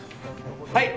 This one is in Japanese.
はい！